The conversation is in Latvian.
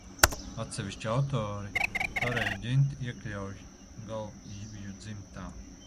Atsevišķi autori toreju ģinti iekļauj galvīvju dzimtā.